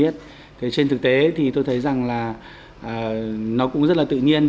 thế trên thực tế thì tôi thấy rằng là nó cũng rất là tự nhiên